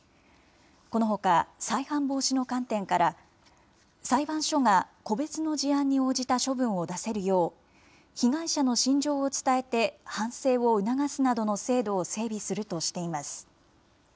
このほか、再犯防止の観点から、裁判所が個別の事案に応じた処分を出せるよう、被害者の心情を伝えて、反省を促すなどの制度を整備するとしています。